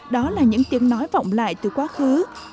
đó là những tiếng nói vọng lại từ quá khứ